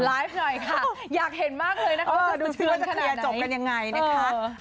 ไลฟ์หน่อยค่ะอยากเห็นมากเลยนะคะดูชื่อว่าจะเคลียร์จบกันยังไงนะคะ